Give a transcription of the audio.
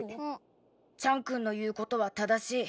チャンくんの言うことは正しい。